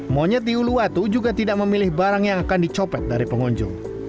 monyet di uluwatu juga tidak memilih barang yang akan dicopet dari pengunjung